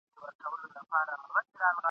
یوه غټه زنګوله یې وه په غاړه ..